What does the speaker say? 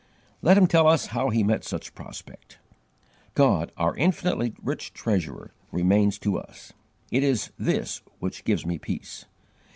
Let him tell us how he met such a prospect: "God, our infinitely rich Treasurer, remains to us. It is this which gives me peace....